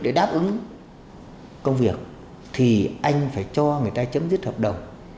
để đáp ứng công việc thì anh phải cho người ta chấm dứt hợp đồng